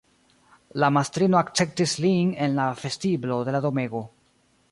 La mastrino akceptis lin en la vestiblo de la domego.